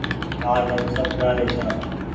هم آج سب جآري ڇآن